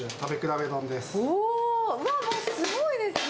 うわっ、すごいですね。